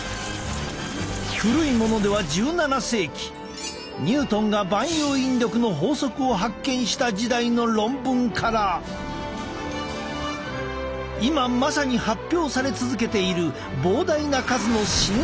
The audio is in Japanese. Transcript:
古いものでは１７世紀ニュートンが万有引力の法則を発見した時代の論文から今まさに発表され続けている膨大な数の新型コロナ研究まで！